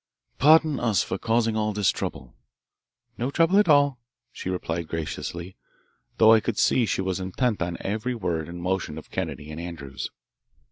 "Pardon us for causing all this trouble." "No trouble at all," she replied graciously, though I could see she was intent on every word and motion of Kennedy and Andrews.